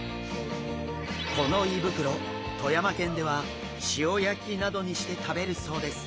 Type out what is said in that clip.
この胃袋富山県では塩焼きなどにして食べるそうです。